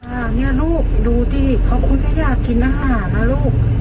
อ่าเนี้ยลูกดูดิเขาคงก็อยากกินอาหารนะลูก